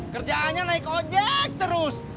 kerjaannya naik ojek terus